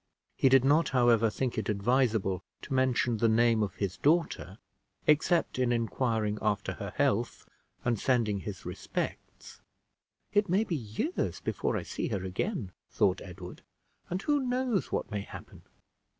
He did not however think it advisable to mention the name of his daughter, except in inquiring after her health, and sending his respects. "It may be years before I see her again," thought Edward, "and who knows what may happen?"